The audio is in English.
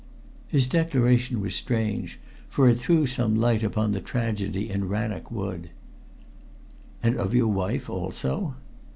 His declaration was strange, for it threw some light upon the tragedy in Rannoch Wood. "And of your wife also?"